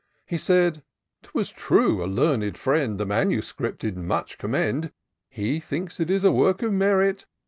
He said, '* Twas true, a learned friend The manuscript did mndi commend ; He thinks it is a work of merit.